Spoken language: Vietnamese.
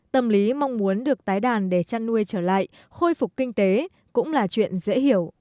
tâm lý mong muốn được tái đàn để chăn nuôi trở lại khôi phục kinh tế cũng là chuyện dễ hiểu